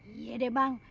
iya deh bang